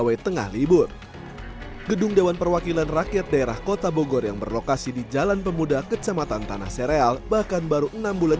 ya sebagian gedung itu akhirnya rusak diterjang hujan angin meski dibangun dengan biaya yang tidak sedikit ya tujuh puluh dua miliar rupiah